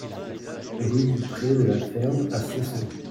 Rue du Pré de la Ferme à Cesson